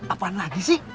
apaan lagi sih